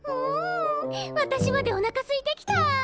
私までおなかすいてきた！